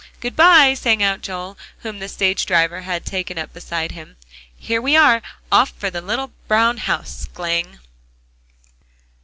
"Good by," sang out Joel, whom the stage driver had taken up beside him. "Here we are, off for the little brown house. G'lang!"